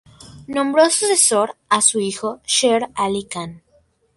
Nombró sucesor a su hijo, Sher Ali Khan.